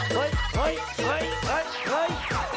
เฮ้ยเฮ้ยเฮ้ย